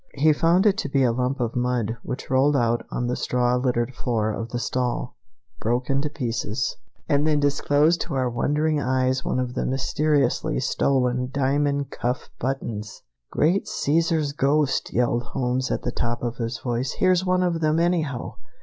He found it to be a lump of mud, which rolled out on the straw littered floor of the stall, broke into pieces, and then disclosed to our wondering eyes one of the mysteriously stolen diamond cuff buttons! "Great Cæsar's ghost!" yelled Holmes at the top of his voice; "here's one of them, anyhow!"